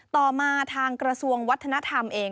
ต่อมาทางกระทรวงวัฒนธรรมเอง